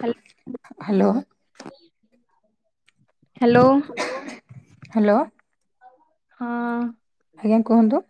ହ୍ୟାଲ hello hello. Hello. ହଁ। ଆଜ୍ଞା କୁହନ୍ତୁ?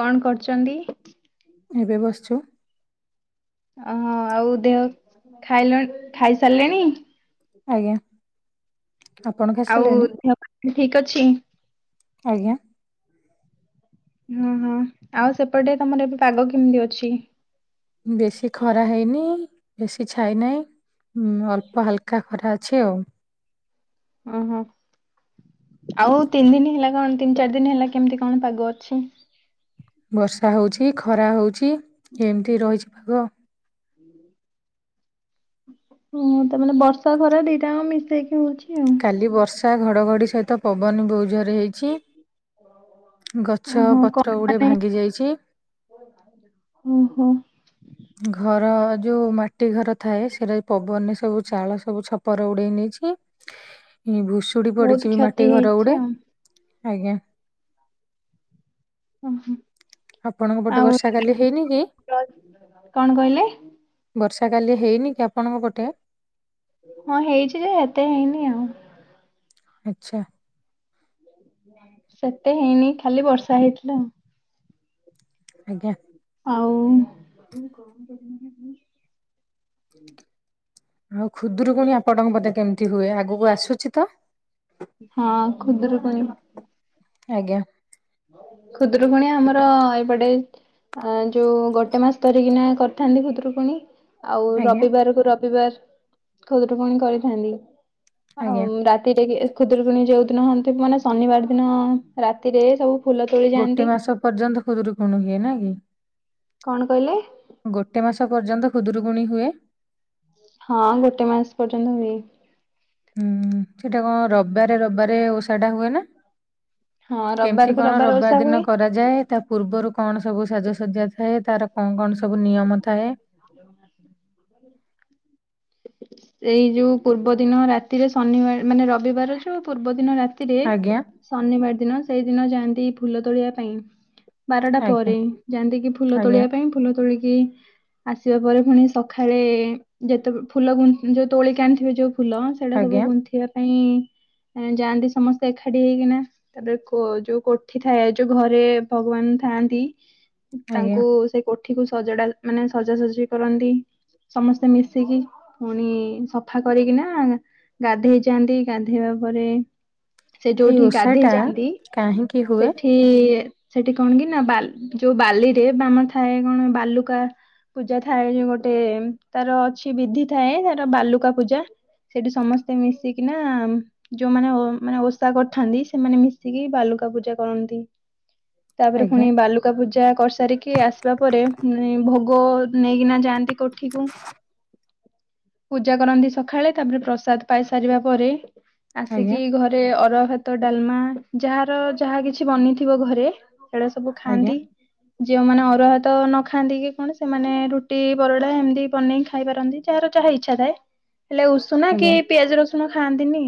କଣ କରୁଚନ୍ତି? ଏବେ ବସିଛୁ। ଓହ ଆଉ ଦେହ ଖାଇଣି ଖାଇସାରିଲେଣି? ଆଜ୍ଞା। ଆପଣ ଆଉ ଖାଇସାରିଲେଣି ଦେହ ଠିକ ଅଛି। ଆଜ୍ଞା? ହଁ ହଁ ଆଉ ସେପଟେ ତମର ଏବେ ପାଗ କେମିତି ଅଛି? ବେଶୀ ଖରା ହେଇନି ବେଶୀ ଛାଇ ନାହିଁ। ହୁଁ ଅଳ୍ପ ହାଲକା ଖରା ଅଛି ଆଉ। ଓହୋ ଆଉ ତିନି ଦିନ ହେଲା କଣ ତିନି ଚାରି ଦିନ ହେଲା କେମିତି କଣ ପାଗ ଅଛି? ବର୍ଷା ହଉଛି ଖରା ହଉଛି ଏମତି ରହିଛି ପାଗ। ହୁଁ। ହଁ ତା ମାନେ ବର୍ଷା ଖରା ଦିଟା ମିଶେଇକି ହଉଛି ଆଉ। କାଲି ବର୍ଷା ଘଡଘଡ଼ି ସହିତ ପବନ ବୋଉ ଜୋର ହେଇଛି। ଗଛ ପତ୍ର ଗୁଡେ ଭାଙ୍ଗି ଯାଇଛି। ହୁଁ ହୁଁ। ଘର ଯୋଉ ମାଟି ଘର ଥାଏ ସେଟା ପବନ ସବୁ ଚାଳ ସବୁ ଛପରେ ଉଡେଇ ନେଇଛି। ଭୁଷୁଡି ବହୁତ ପଡିଛି ବି କ୍ଷତି ମାଟି ଘର ହେଇଛି ଗୋଡେ ଆଉ। ଆଜ୍ଞା। ଓହୋ ଆପଣଙ୍କ ପଟେ ଆଉ ବର୍ଷା କାଲି ହେଇନି କି କଣ କହିଲେ? ବର୍ଷା କାଲି ହେଇନି କି ଆପଣଙ୍କ ଗୋଟେ ହଁ ହେଇଛି ଯେ ଏତେ ହେଇନି ଆଉ। ଆଚ୍ଛା। ସେତେ ହେଇନି ଖାଲି ବର୍ଷା ହେଇଥିଲା ଆ ଆଜ୍ଞା। ଆଉ ଆଉ ଖୁଦରୁ ପୁଣି ଆପଟଙ୍କ ପଦେ କେମିତି ହୁଏ ଆଗକୁ ଆସୁଛି ତ ହଁ ଖୁଦୁରୁକୁଣି। ଆଜ୍ଞା। ଖୁଦୁରୁକୁଣୀ ଆମର ଏପଟେ ଅ ଯୋଉ ଗୋଟେ ମାସ ଧରିକିନା କରିଥାନ୍ତି ଖୁଦୁରୁକୁୁଣୀ। ଆଉ ଆଜ୍ଞା ରବିବାର କୁ ରବିବାର ଖଦରୁ ପଣି କରିଥାନ୍ତି। ଆଜ୍ଞା ଆଉ ରାତିରେ ଖୁଦରକୁଣୀ ଯୋଉଦିନନ୍ତି ମାନେ ଶନିବାର ଦିନ ରାତିରେ ସବୁ ଫୁଲ ତୋଳି ଯାଆନ୍ତି ଗୋଟେ ମାସ ପର୍ଯ୍ୟନ୍ତ ଖୁଦରୁକୁଣ ହୁଏ ନା କି? କଣ କହିଲେ? ଗୋଟେ ମାସ ପର୍ଯ୍ୟନ୍ତ ଖୁଦୁରୁକୁଣୀ ହୁଏ। ହଁ ଗୋଟେ ମାସ ପର୍ଯ୍ୟନ୍ତ ହୁଏ। ହୁଁ ସେଟା କଣ ରବିବାରେ ରବିବାରେ ଓଷା ଟା ହୁଏ ନା। ହଁ କେମତି ରବିବାରକୁ କଣ ରବିବାର ଓଷା ଦିନ ହୁଏ। କର? ଯାଏ ତା ପୂର୍ବରୁ କଣ ସବୁ ସାଜସଜ୍ଜା ଥାଏ ତାର କଣ କଣ ସବୁ ନିୟମ ଥାଏ। [unintelligible] ଏଇ ଯୋଉ ପୂର୍ବ ଦିନ ରାତିରେ ଶନିବାର ମାନେ ରବିବାର ଯୋଉ ପୂର୍ବ ଦିନ ରାତି ରାତିରେ ଆଜ୍ଞା ଶନିବାର ଦିନ ସେଇ ଦିନ ଯାଆନ୍ତି ଫୁଲ ତୋଳିବା ପାଇଁ ବାରଟା ଆଜ୍ଞା ପରେ ଯାନ୍ତି କିି ଫୁଲ ଆଜ୍ଞା ତୋଳିବା ପାଇଁ ଫୁଲ ତୋଳିକି ଆସିବା ପରେ ପୁଣି ସକାଳେ ଯେତେ ଫୁଲ ଯୋଉ ତୋଳିକା ଆଣିଥିବେ ଯୋଉ ଫୁଲ ସେଗୁଡା ସବୁ ଆଜ୍ଞା ଗୁନ୍ଥିବା ପାଇଁ ଯାଆନ୍ତି ସମସ୍ତେ ଏକାଠି ହେଇକିନା ତାପରେ ଯୋଉ କୋଠି ଥାଏ ଯୋଉ ଘରେ ଭଗବାନ ଥାଆନ୍ତି। ଆଜ୍ଞା ତାଙ୍କୁ ସେଇ କୋଠିକୁ ସଜଡା ମାନେ ସଜାସଜି କରନ୍ତି ସମସ୍ତେ ମିଶିକି ପୁଣି ସଫା କରିକି ନା ଗାଧେଇ ଯାଆନ୍ତି ଗାଧେଇବା ପରେ ସେ ଏଇ ଯୋଉଠି ଓଷା ଗାଧେଇ ଟା ଯାଆନ୍ତି କାହିଁକି ହୁଏ? ସେଠି ସେଠି କଣ କି ନା ବା ଯୋଉ ବାଲିରେ ବାନୁଥାୟେ ଥାଏ କଣ ବାଲୁକା ପୂଜା ଥାଏ ଯୋଉ ଗୋଟେ ତାର ଅଛି ବିଧି ଥାଏ ତାର ବାଲୁକା ପୂଜା ସେଠି ସମସ୍ତେ ମିଶିକିନା ଯୋଉମାନେ ମାନେ ଓଷା କରିଥାନ୍ତି ସେମାନେ ମିଶିକି ବାଲୁକା ପୂଜା କରନ୍ତି। ତାପରେ ଆଜ୍ଞା ପୁଣି ବାଲୁ କା ପୂଜା କରିସାରିକି ଆସିବା ପରେ ଭୋଗ ନେଇକିନା ଯାଆନ୍ତି କୋଠିକୁ ପୂଜା କରନ୍ତି ସକାଳେ ତାପରେ ପ୍ରସାଦ ପାଇ ସାରିବା ପରେ ଆଜ୍ଞା ଆସିକି ଘରେ ରେ ଅରୁଆ ଭାତ ଡାଲମା ଯାହାର ଯାହା କିଛି ବନିଥିବ ଘରେ ଏଡା ସବୁ ଆଜ୍ଞା ଖାଆନ୍ତି। ଯଉମାନେ ଅରୁଆ ଭାତ ନ ଖାଆନ୍ତି କି କଣ ସେମାନେ ରୁଟି ପରଟା ଏମିତି ବନେଇକି ଖାଇ ପାରନ୍ତି। ଯାହାର ଯାହା ଇଚ୍ଛା ଥାଏ ହେଲେ ଉଷୁନା କି ଆଜ୍ଞା ପିଆଜ ରସୁଣ ଖାଆନ୍ତିନି।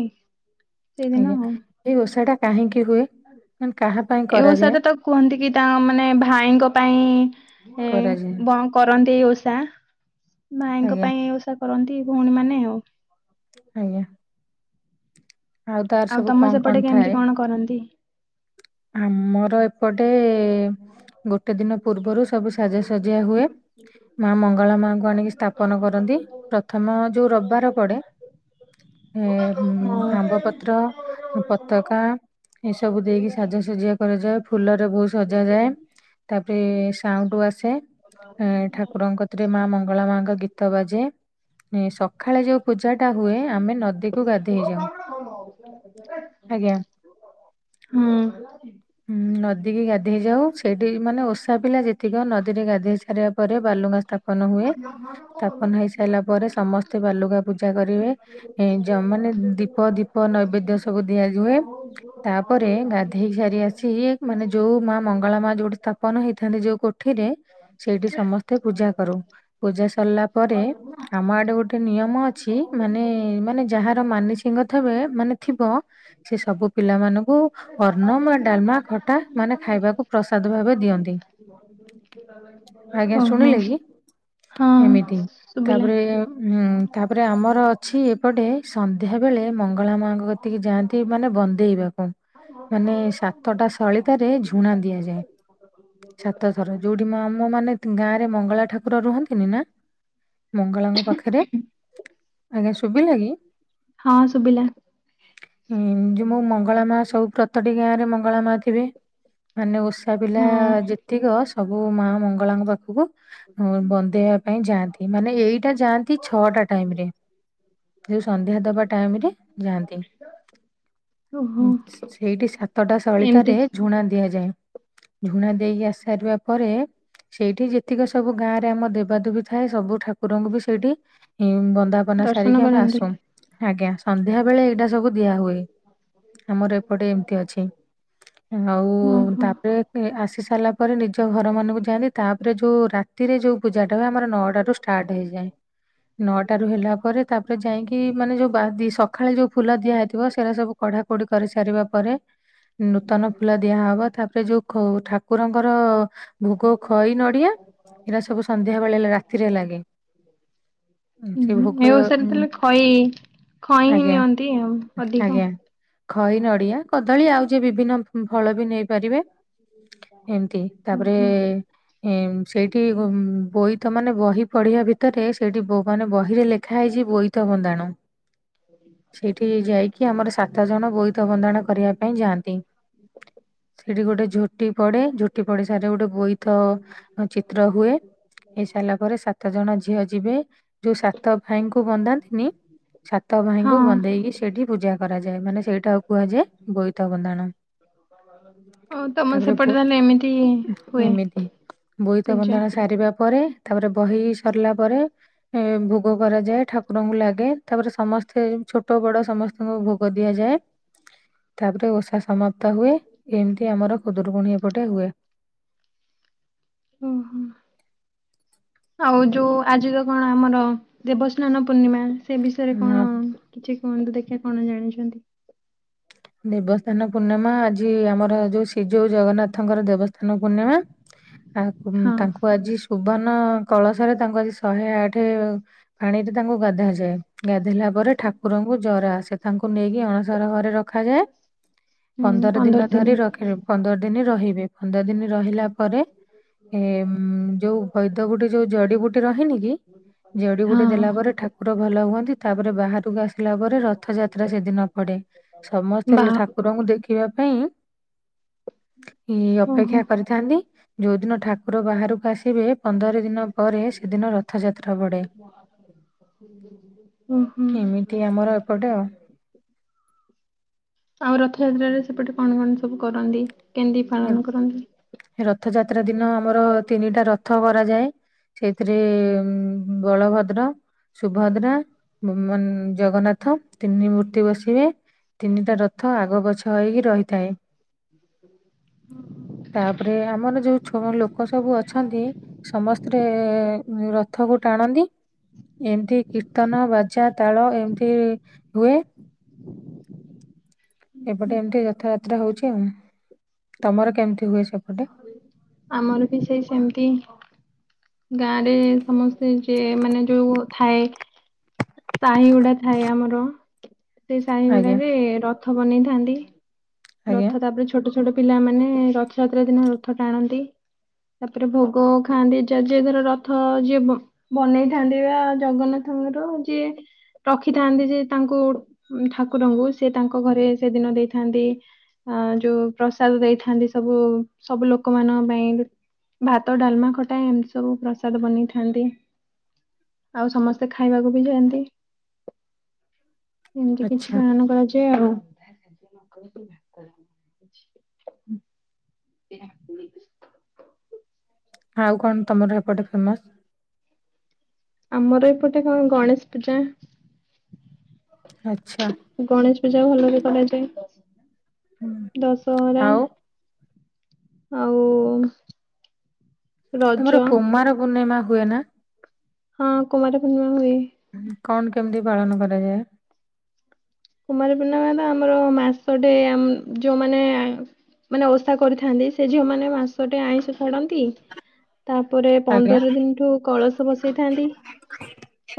ସେଇଦିନ ଆଜ୍ଞା ଆଉ ଏଇ ଓଷା ଟା କାହିଁକି ହୁଏ ମାନେ କାହା ପାଇଁ ଏ କରାଯାଏ? ଓଷାଟା ତ କୁହନ୍ତି କି ତାଙ୍କ ମାନେ ଭାଇଙ୍କ ପାଇଁ ଏ କରାଯାଏ ବୌ କରନ୍ତି ଓଷା ଭାଇଙ୍କ ଆଜ୍ଞା ପାଇଁ ଓଷା କରନ୍ତି ଭଉଣୀମାନେ ଆଉ। ଆଜ୍ଞା। ତାର ଆଉ ସବୁ ତମ କଣ କଣ ସେପଟେ ଥାଏ? କେମିତି କଣ କରନ୍ତି? ଆମର ଏପଟେ ଗୋଟେ ଦିନ ପୂର୍ବରୁ ସବୁ ସାଜସଜ୍ଜା ହୁଏ। ମା ମଙ୍ଗଳା ମାଙ୍କୁ ଆଣିକି ସ୍ଥାପନ କରନ୍ତି ପ୍ରଥମ ଯୋଉ ରବିବାର ପଡ଼େ ଏ ଉଁ ହଁ। ଆମ୍ବ ପତ୍ର ପତକା ଏସବୁ ଦେଇକି ସ ସାଜସଜିଆ କରାଯାଏ ଫୁଲରେ ବହୁତ ସଜାଯାଏ ତାପରେ ସାଉଣ୍ଡୁ ଆସେ ଏଇଁ ଠାକୁରଙ୍କ କତିରେ ମା ମଙ୍ଗଳା ମାଙ୍କ ଗୀତ ବାଜେ ଏ ସଖାଳେ ଯୋଉ ପୂଜା ଟା ହୁଏ ଆମେ ନଦୀକୁ ଗାଧେଇ ଯାଉ। [unintelligible] ଆଜ୍ଞା। ହୁଁ। ହୁଁ ନଦୀ କିି ଗାଧେଇ ଯାଉ ସେଇଠି ମାନେ ଓଷା ପିଲା ଯେତିକି ନଦୀରେ ଗାଧେଇ ସାରିବା ପରେ ବାଲୁକା ସ୍ଥାପନ ହୁଏ ସ୍ଥାପନ ହେଇସାରିଲା ପରେ ସମସ୍ତେ ବାଲୁକା ପୂଜା କରିବେ ଏ ଯୋଉମାନେ ଦୀପ ଦୀପ ନୈବେଦ୍ୟ ସବୁ ଦିଆଯୁଏ ତାପରେ ଗାଧେଇସା ସାରି ଆସି ମାନେ ଯୋଉ ମା ମଙ୍ଗଳା ମା ଯୋଉଠି ସ୍ଥାପନ ହେଇଥାନ୍ତି ଯୋଉ କୋଠିରେ ସେଇଠି ସମସ୍ତେ ପୂଜା କରୁ ପୂଜା ସରିଲା ପରେ ଆମ ଆଡେ ଗୋଟେ ନିୟମ ଅଛି ମାନେ ମାନେ ଯାହାର ମାନସିକ ଥବେ ମାନେ ଥିବ ସେ ସବୁ ପିଲା ମାନଙ୍କୁ ଅର୍ଣ୍ଣ ମା ଡାଲମା ଖଟା ମାନେ ଖାଇବାକୁ ପ୍ରସାଦ ଭାବେ ଦିଅନ୍ତି। ଆଜ୍ଞା ଓହୋ ଶୁଣିଲେ କି ହଁ ଏମିତି ଶୁଭିଲା। ତାପରେ ତାପରେ ଆମର ଅଛି। ଏପଟେ ସନ୍ଧ୍ୟା ବେଳେ ମଙ୍ଗଳା ମାଙ୍କ କତିକି ଯାଆନ୍ତି ମାନେ ବନ୍ଦେଇବାକୁ ମାନେ ସାତଟା ସଳିତାରେ ଝୁଣା ଦିଆଯାଏ। ଛାତଥର ଯୋଉଠି ମା ଆମ ମାନେ ଗାଁ ରେ ମଙ୍ଗଳା ଠାକୁର ରୁହନ୍ତିନି ନା ମଙ୍ଗଳାଙ୍କ ପାଖରେ ଆଜ୍ଞା ଶୁବିଲା କି? ହଁ ଶୁଭିଲା। ହୁଁ ମୋ ମଙ୍ଗଳା ମା ସବୁ ପ ସାତଟି ଗାଁ ରେ ମଙ୍ଗଳା ମା ଥିବେ ମାନେ ଓଷା ଷା ପିଲା ହଁ ଯେତିକ ସବୁ ମା ମଙ୍ଗଳାଙ୍କ ପାଖକୁ ବନ୍ଦେଇବା ପାଇଁ ଯାଆନ୍ତି ମାନେ ଏଇଟା ଯାଆନ୍ତି ଛଅଟା ଟାଇମ ରେ। ଯୋଉ ସନ୍ଧ୍ୟା ଦବା ଟାଇମ ରେ ଯାଆନ୍ତି। ଓହୋ। ଉଁ, ସେଇଠି ସାତଟା ସଳିତା ଏମିତି ରେ ଝୁଣା ଦିଆଯାଏ। ଝୁଣା ଦେଇକି ଆସି ସାରିବା ପରେ ସେଇଠି ଯେତିକି ସବୁ ଗାଁ ରେ ଆମ ଦେବାଦେବୀ ଥାଏ ସବୁ ଠାକୁରଙ୍କୁ ବି ସେଇଠି ବନ୍ଦା ପ ପନା ଦର୍ଶନ ସାରିକି ଆମେ କରନ୍ତି ଆସୁ ଆଜ୍ଞା ସନ୍ଧ୍ୟା ବେଳେ ଏଇଟା ସବୁ ଦିଆ ହୁଏ ଆମର ଗୋଟେ ଏମତି ଅଛି ଆଉ ଓହୋ। ତାପରେ ନେଇ ଆସି ସାରିଲା ପରେ ନିଜ ଘର ମାନଙ୍କୁ ଯାଆନ୍ତି। ତାପରେ ଯୋଉ ରାତିରେ ଯୋଉ ପୂଜାଟା କୁ ଆମର ନଅଟା ରୁ ଷ୍ଟାର୍ଟ ହେଇଯାଏ ନଅଟା ରୁ ହେଲା ପରେ ତାପରେ ଯାଇଁକି ମାନେ ଯୋଉ ବାଦି ସକାଳେ ଯୋଉ ଫୁଲ ଦିଆହେଇଥିବ ସେଇରା ସବୁ କଢ଼ା କଢ଼ି କରିସାରିବା ପରେ ନୂତନ ଫୁଲ ଦିଆହବ ତାପରେ ଯୋଉ ଠାକୁରଙ୍କର ଭୋଗ ଖଇ ନଡିଆ ହେରା ସବୁ ସନ୍ଧ୍ୟା ବେଳେ ଲା ରାତିରେ ଲାଗେ। ଉଁ ସେ ହୁଁ ଭୋଗ ଏଇ ଓଷାରେ ଉଁ, ଥିଲେ ଖଇ ଖଇଁ ହିଁ ଆଜ୍ଞା ନିଅନ୍ତି ଆଉ ଅଧିକ। ଆଜ୍ଞା ଖଇ, ନଡିଆ, କଦଳୀ ଆଉ ଯିଏ ବିଭିନ୍ନ ଫଳ ବି ନେଇ ପାରିବେ। ଏମତି ତାପରେ ଓହୋ ୟେମ୍ ସେଇଠି ବୋଇତ ମାନେ ବହି ପଢିବା ଭିତରେ ସେଇଠି ବୋ ମାନେ ବହି ରେ ଲେଖା ହେଇଚି ବୋଇ ତ ବନ୍ଦାଣ। ସେଇଠି ଯାଇକି ଆମର ସାତ ଜଣ ବୋଇତ ବନ୍ଦାଣ କରିବା ପାଇଁ ଯାଆନ୍ତି। ସେଠି ଗୋଟେ ଝୋଟି ପଡେ। ଝୋଟି ପଡଗ ସାରିରେ ଗୋଟେ ବୋଇତ ଅ ଚିତ୍ର ହୁଏ। ହେଇସାରିଲା ପରେ ସାତ ଜଣ ଝିଅ ଯିବେ ଯୋଉ ସାତ୍ ତ ଭାଇଙ୍କୁ ବନ୍ଦାନ୍ତିନି ସାତ ହଁ ଭାଇଙ୍କୁ ବନ୍ଦେଇକି ସେଇଠି ପୂଜା କରାଯାଏ। ମାନେ ସେଇଟାଉ କୁହାଯାଏ ବୋଇତ ବନ୍ଦାଣ। ଅ ତମର ତାପରେ ବୋ ସେପଟେ ତାହଲେ ଏମିତି ହୁଏ। ତ ପୂଜା ବନ୍ଦାଣ ସାରିବା ପରେ ତାପରେ ବହି ସରିଲା ପରେ ଏ ଭୋଗ କରାଯାଏ। ଠାକୁରଙ୍କୁ ଲାଗେ। ତାପରେ ସମସ୍ତେ ଛୋଟ ବଡ ସମସ୍ତେ ତାଙ୍କ ଭୋଗ ଦିଆଯାଏ। ତାପରେ ଓଷା ସମାପ୍ତ ହୁଏ। ଏମତି ଆମର ଖୁଦୁରୁକୁୁଣୀ ଏପଟେ ହୁଏ। ଉଁ ହୁଁ। ଆଉ ଯୋଉ ଆଜିର କଣ ଆମର ଦେବସ୍ନାନ ପୂର୍ଣ୍ଣିମା? ସେ ବିଷୟରେ କଣ ହଁ କିଛି କୁହନ୍ତୁ ଦେଖିବା କଣ ଜାଣିଛନ୍ତି? ଦେବସ୍ନାନ ପୂର୍ଣ୍ଣମା ଆଜି ଆମର ଯୋଉ ସିଯଉ ଜଗନ୍ନାଥଙ୍କର ଦେବସ୍ନାନ ପୂର୍ଣ୍ଣିମା। ଆ ହଁ ତାଙ୍କୁ ଆଜି ସୁବର୍ଣ୍ଣ କଳସରେ ତାଙ୍କୁ ଆଜି ଶହେ ଆଠେ ପାଣିରେ ତାଙ୍କୁ ଗାଧା ଯାଏ। ଗାଧଇଲା ପରେ ଠାକୁରଙ୍କୁ ଜର ଆସେ ତାଙ୍କୁ ନେଇକି ଅଣସର ଘରେ ରଖ୍ ଖାଯାଏ। ହୁଁ ପନ୍ଦର ଦିନ ଦିନି ଧରି ରଖିବେ। ପନ୍ଦର ଦିନି ରହିବେ। ପନ୍ଦର ଦିନି ରହିଲା ପରେ ଏ ଯୋଉ ବୈଦ ଗୁଟେ ଯୋଉ ଜଡିିବୁଟି ରହେନି କି? ହଁ ଜଡିବୁଟି ଦେଲା ପରେ ଠାକୁର ଭଲ ହୁଅନ୍ତି।। ତାପରେ ବାହାରକୁ ଆସିଲା ପରେ ରଥଯାତ୍ରା ସେଦିନ ପଡେ। ସମସ୍ତେ ବା ହେଲେ ଠାକୁରଙ୍କୁ ଦେଖିବା ପାଇଁ ଆ ଓହୋ। ଅପେକ୍ଷା କରିଥାନ୍ତି। ଯୋଉଦିନ ଠାକୁର ବାହାରକୁ ଆସିବେ ପନ୍ଦରେ ଓହୋ ଏମିତି ଆମର ଏପଟେ ଆଉ। ଆଉ ରଥଯାତ୍ରାରେ ସେପଟେ କଣ କଣ ସବୁ କରନ୍ତି? କେମତି ପାଳନ କରନ୍ତି? ରଥ ଯାତ୍ରା ଦିନ ଆମର ତିନିଟା ରଥ କରାଯାଏ। ସେଇଥିରେ ବଳଭଦ୍ର, ସୁଭଦ୍ରା ମୁ ମୁନ୍ ଜଗନ୍ନାଥ ତିନି ମୂର୍ତ୍ତି ବସିବେ। ତିନିଟା ରଥ ଆଗ ବଛ ହୋଇକି ରହିଥାଏ। ହ ତାପରେ ଆମର ଯୋଉ ଛ ଅ ଲୋକ ସବୁ ଅଛନ୍ତି। ସମସ୍ତେ ରଥକୁ ଟାଣନ୍ତି। ଏମତି କୀର୍ତ୍ତନ ବାଜା ତାଳ ଏମିତି ହୁଏ। ଏପଟେ ଏମତି ରଥ ଯାତ୍ରା ହଉଚି ଆଉ। ତମର କେମତି ହୁଏ ସେପଟେ? ଆମର ବି ସେଇ ସେମତି। ଗାଁ ରେ ସମସ୍ତେ ଯଏ ମାନେ ଯୋଉ ଥାଏ ସାହି ଗୁଡା ଥାଏ ଆମର ସେ ସାହି ଆଜ୍ଞା ଗୁଡାରେ ରଥ ବନେଇଥାନ୍ତି। ଆଜ୍ଞା ରଥ ତାପରେ ଛୋଟ ଛୋଟ ପିଲାମାନୋନେ ରଥଯାତ୍ରା ଦିନ ରଥ ଟାଣନ୍ତି। ତାପରେ ଭୋଗ ଖାଆନ୍ତି ଯି ଧର ରଥ ଯିଏ ବନେଇଥାନ୍ତିିବା ଜଗନ୍ନାଥଙ୍କର ଯିଏ ରଖିଥାନ୍ତି ଯେ ତାଙ୍କୁ ଠାକୁରଙ୍କୁ ସେ ତାଙ୍କ ଘରେ ସେ ଦିନ ଦେଇଥାନ୍ତି। ଅ ଯୋଉ ପ୍ରସାଦ ଦେଇଥାନ୍ତି ସବୁ ସବୁ ଲୋକ ମାନଙ୍କ ପାଇଁ। ଭାତ ଡାଲମା ଖଟା ଏମିତି ସବୁ ପ୍ରସାଦ ବନେଇଥାନ୍ତି। ଆଉ ସମସ୍ତେ ଖାଇବାକୁ ବି ଯାଆନ୍ତି। ଏମିତି କିଛି ଆଚ୍ଛା ପାଳନ କରାଯାଏ ଆଉ। ହଁ [inaudible] ଆଉ କଣ ତମର ଏପଟେ ଫେମସ। ଆମର ଏପଟେ କଣ ଗଣେଶ ପୂଜା। ଆଚ୍ଛା। ଗଣେଶ ପୂଜା ଭଲରେ ହୁଁ। କରାଯାଏ ଦଶହରା। ଆଉ ଆଉ ରଜ ତୁମର କୁମାର ପୂର୍ଣ୍ଣିମା ହୁଏ ନା। ହଁ କୁମାର ପୂର୍ଣ୍ଣିମା ହୁଏ। କଣ କେମିତି ପାଳନ କରାଯାଏ। କୁମାରୀ ପୂର୍ଣ୍ଣିମା ତ ଆମର ମାସଟେ ଯୋଉମାନେ ମାନେ ଓଷା କରିଥାନ୍ତି ସେ ଝିଅ ମାନେ ମାଂସଟେ ଆଇଁଷ ଛାଡ଼ନ୍ତି। ତାପରେ ଆଜ୍ଞା ପନ୍ଦର ଦିନଠୁ କଳସ ବସ ଥାନ୍ତି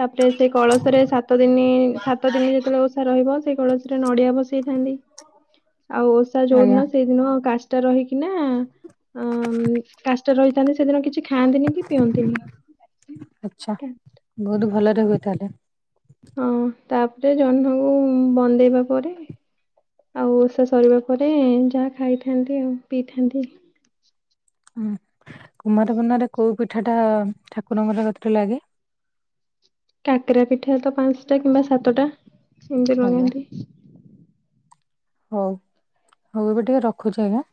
ତାପରେ ସେ କଳସରେ ସାତ ଦିନ ସାତ ଦିନ ଯେତେବେଳେ ରହିବ ସେଇ କଳସୀରେ ନଡିଆ ବସେଇଥାନ୍ତି। ଆଉ ଓଷା ଯୋଉ ଆଜ୍ଞା ଦିନ ସେଇନ ଦିନ କାଚ ଟା ରହିକି ନା ଅ କାଷ୍ଟ ରହିଥାନ୍ତି ସେଦିନ କିଛି ଖାଆନ୍ତିନି କି ପିଅନ୍ତିନି। ଆଛା କା- ବହୁତ ଭଲରେ ହୁଏ ତାହାଲେ। ହଁ ତାପରେ ଜହ୍ନକୁ ବନ୍ଦେଇବା ପରେ ଆଉ ଓଷା ସରିବା ପରେ ଯାହା ଖାଇଥାନ୍ତି ଆଉ ପିଇଥାନ୍ତି। ହୁଁ କୁମାରପୂର୍ଣ୍ ରେ କୋଉ ପିଠା ଟା ଠାକୁରଙ୍କର କତିରେ ଲାଗେ। କାକରା ପିଠା ତ ପାଞ୍ଚଟା କିମ୍ବା ସାତଟା ସେମିତି ଆଜ୍ଞା ଲଗାନ୍ତି। ହଉ ହଉ ଏବେ ଟିକେ ରଖୁଛି ଆଜ୍ଞା।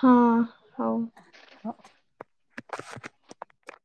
ହଁ ହଉ। ହଁ।